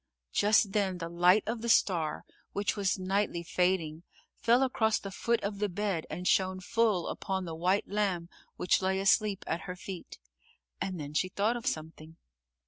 Just then the light of the star, which was nightly fading, fell across the foot of the bed and shone full upon the white lamb which lay asleep at her feet and then she thought of something.